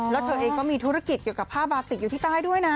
แล้วเธอเองก็มีธุรกิจเกี่ยวกับผ้าบาติกอยู่ที่ใต้ด้วยนะ